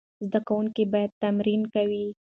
زده کوونکي به تمرین کاوه.